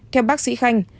theo bác sĩ khanh